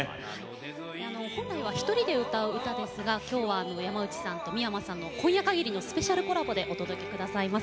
本来は１人で歌う歌ですが今日は山内さん、三山さん今夜かぎりのスペシャルコラボでご披露いただきます。